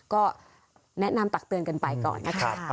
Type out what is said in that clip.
ก็แนะนำตักเตือนกันไปก่อนนะคะ